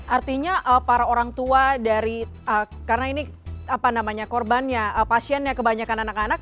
artinya para orang tua dari karena ini apa namanya korbannya pasiennya kebanyakan anak anak